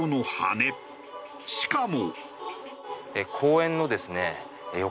しかも。